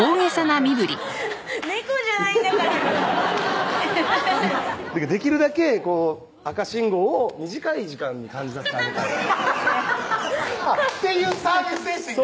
猫じゃないんだからできるだけ赤信号を短い時間に感じさせてあげたいっていうサービス精神から？